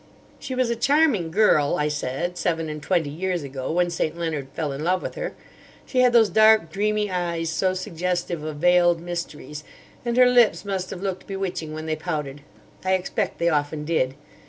"She was a charming girl," I said, "seven and twenty years ago, when St. Leonard fell in love with her. She had those dark, dreamy eyes so suggestive of veiled mysteries; and her lips must have looked bewitching when they pouted. I expect they often did.